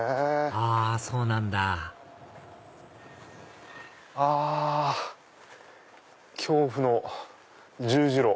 あそうなんだあ恐怖の十字路。